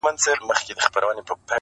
د غراب او پنجرې یې سره څه,